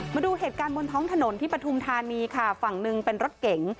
มาดูเหตุการณ์บนท้องถนนที่ปฐุมธานีค่ะฝั่งหนึ่งเป็นรถเก๋ง